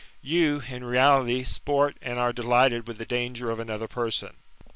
You, in reality, sport and are delighted with the danger of another person.